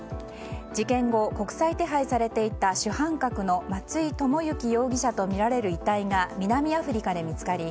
事件後、国際手配されていた主犯格の松井知之容疑者とみられる遺体が南アフリカで見つかり